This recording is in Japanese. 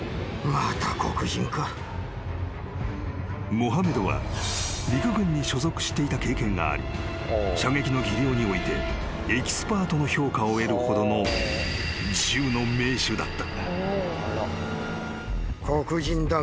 ［モハメドは陸軍に所属していた経験があり射撃の技量においてエキスパートの評価を得るほどの銃の名手だった］